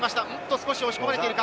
少し押し込めているか。